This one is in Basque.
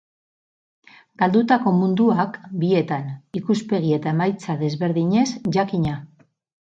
Galdutako munduak bietan, ikuspegi eta emaitza desberdinez, jakina.